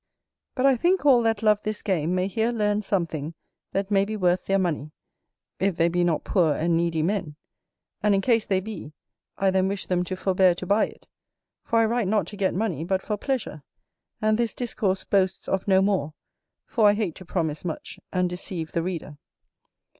But I think all that love this game may here learn something that may be worth their money, if they be not poor and needy men: and in case they be, I then wish them to forbear to buy it; for I write not to get money, but for pleasure, and this Discourse boasts of no more, for I hate to promise much, and deceive the Reader.